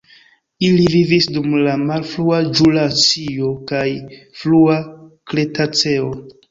Ili vivis dum la malfrua ĵurasio kaj frua kretaceo.